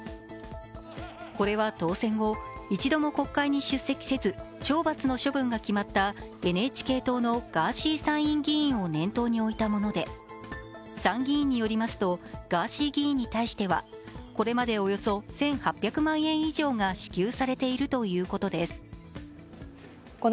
これは当選後一度も国会に出席せず懲罰の処分が決まったＮＨＫ党のガーシー参院議員を念頭に置いたもので、参議院によりますと、ガーシー議員に対してはこれまでおよそ１８００万円以上が支給されているということです。